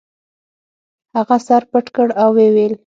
هغه سر پټ کړ او ویې ویل.